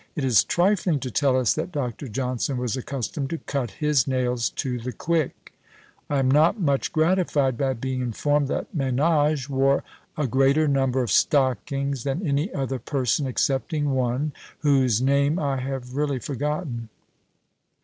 It is trifling to tell us that Dr. Johnson was accustomed "to cut his nails to the quick." I am not much gratified by being informed, that Menage wore a greater number of stockings than any other person, excepting one, whose name I have really forgotten.